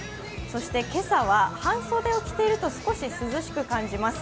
そして今朝は半袖を着ていると少し涼しく感じます。